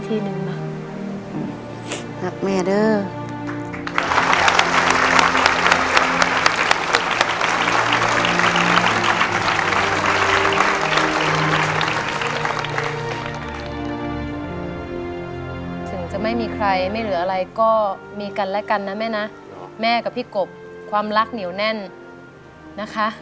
ถึงจะไม่มีใครไม่เหลืออะไรก็มีกันและกันนะแม่นะแม่กับพี่กบความรักเหนียวแน่นนะคะ